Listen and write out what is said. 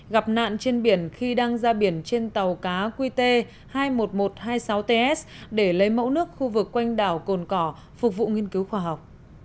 gặp nạn trên biển khi đang ra biển trên tàu cá qt hai mươi một nghìn một trăm hai mươi sáu ts để lấy mẫu nước khu vực quanh đảo cồn cỏ phục vụ nghiên cứu khoa học